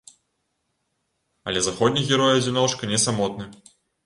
Але заходні герой-адзіночка не самотны.